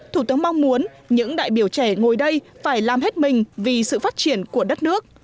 thủ tướng mong muốn những đại biểu trẻ ngồi đây phải làm hết mình vì sự phát triển của đất nước